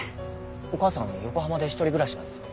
お母さん横浜で一人暮らしなんですか？